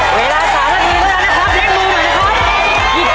เร็วอีกลูกเร็วอีก